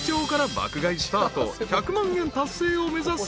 ［１００万円達成を目指す］